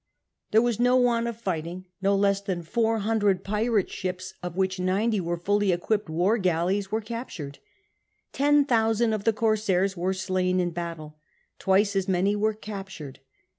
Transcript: There was no want of fighting : no less than 400 pirate ships, of which ninety were fully equipped war galleys, were captured. Ten thousand of the corsairs were slain in battle ; twice as many were captured.